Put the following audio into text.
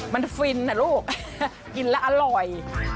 มันฟินนะลูกกินแล้วอร่อย